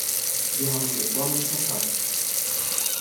Wir haben Reformen verpasst.